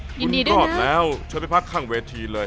ยินดีด้วยนะคุณรอดแล้วเชิญไปพักข้างเวทีเลย